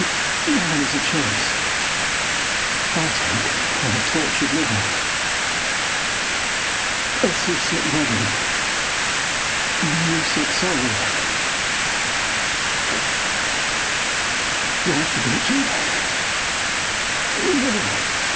Now there's a choice heartache or tortured liver! A sea sick body, or a you sick soul! Do I forget you?